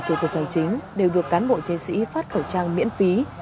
thủ tục hành chính đều được cán bộ chiến sĩ phát khẩu trang miễn phí